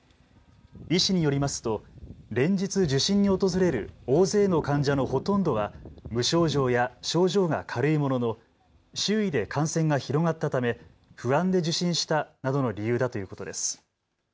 医師によりますと連日、受診に訪れる大勢の患者のほとんどは無症状や症状が軽いものの周囲で感染が広がったため不安で受診したなどの理由だということです。